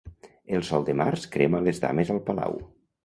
El sol de març crema les dames al palau.